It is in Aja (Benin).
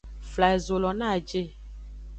Fla ezo lo no a je.